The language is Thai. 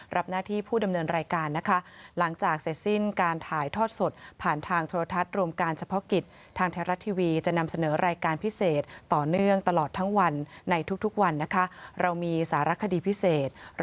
รับหน้าที่ผู้ดำเนินรายการนะคะหลังจากเสร็จสิ้นการถ่ายทอดสด